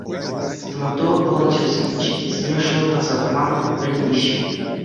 Стоматолог-волонтерсем пӗчӗккисене шӑл тасатма вӗрентеҫҫӗ.